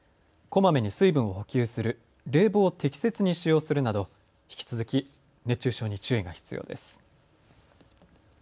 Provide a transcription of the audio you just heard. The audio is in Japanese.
こまめに水分を補給する、冷房を適切に使用するなど引き続き熱中症に注意が必要です。